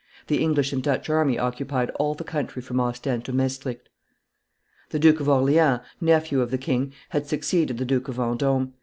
The English and Dutch army occupied all the country from Ostend to Maestricht. The Duke of Orleans, nephew of the king, had succeeded the Duke of Vendome.